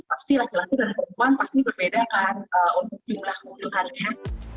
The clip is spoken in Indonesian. pasti laki laki dan perempuan pasti berbeda kan untuk jumlah mobil harian